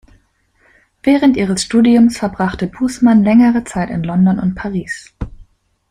Während ihres Studiums verbrachte Bußmann längere Zeit in London und Paris.